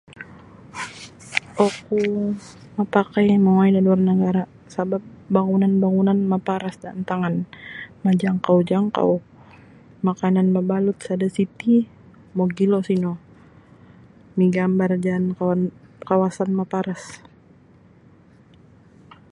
Oku mapakai mongoi da luar nagara' sabap bangunan-bangunan maparas da antangan majangkau-jangkau makanan mabalut sada siti mogilo sino migambar jaan kawan kawasan maparas.